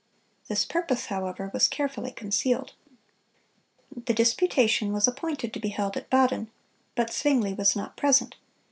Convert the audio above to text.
This purpose, however, was carefully concealed. The disputation was appointed to be held at Baden; but Zwingle was not present.